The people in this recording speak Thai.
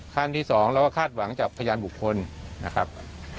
ขั้นที่๒เราก็คาดหวังจากพยานบุคคลนะครับ